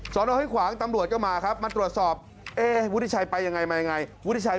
สอนทางให้ขวางตำรวจก็มาครับมาตรวจสอบวุฒิชัยไปยังไงไหม